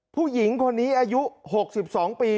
ผู้หญิงคนนี้อายุ๖๒ปี